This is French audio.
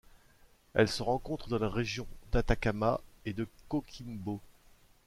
Elles se rencontrent dans les régions d'Atacama et de Coquimbo.